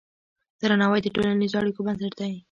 درناوی د ټولنیزو اړیکو بنسټ دی.